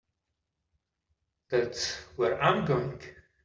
That's where I'm going.